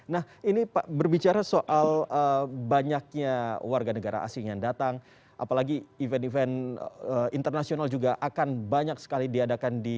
nah ini pak berbicara soal banyaknya warga negara asing yang datang apalagi event event internasional juga akan banyak sekali diadakan di indonesia